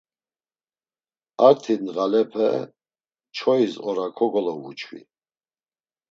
Arti ndğalepe çoyis ora kogolovuçvi.